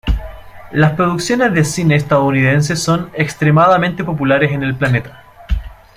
Las producciones de cine estadounidenses son extremadamente populares en el planeta.